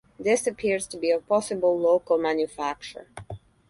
This appears to be of possible local manufacture.